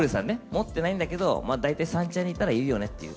持ってないんだけど、大体三茶に行ったらいるよねっていう。